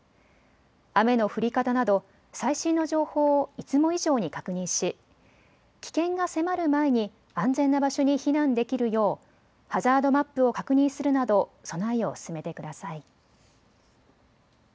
雨の降り方など最新の情報をいつも以上に確認し危険が迫る前に安全な場所に避難できるようハザードマップを確認するなど備えを進めてください。